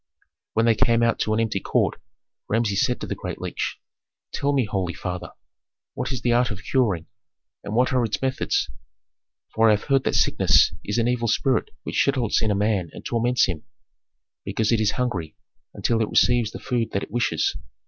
When they came out to an empty court, Rameses said to the great leech, "Tell me, holy father, what is the art of curing, and what are its methods. For I have heard that sickness is an evil spirit which settles in a man and torments him, because it is hungry, until it receives the food that it wishes.